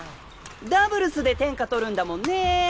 ダブルスで天下取るんだもんね。